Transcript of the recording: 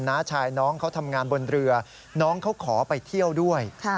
้าชายน้องเขาทำงานบนเรือน้องเขาขอไปเที่ยวด้วย